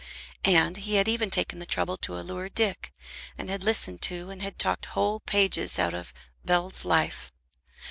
And he had even taken the trouble to allure Dick, and had listened to and had talked whole pages out of Bell's Life.